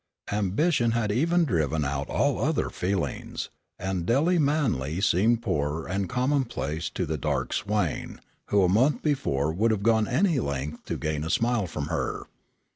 Ambition had even driven out all other feelings, and Dely Manly seemed poor and commonplace to the dark swain, who a month before would have gone any length to gain a smile from her.